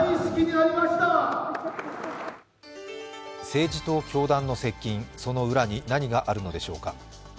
政治と教団の接近、その裏に何があるのでしょうか。